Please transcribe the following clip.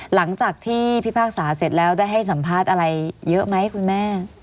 หลังจากที่พิพากษาเสร็จแล้วได้ให้สัมภาษณ์อะไรเยอะไหมคุณแม่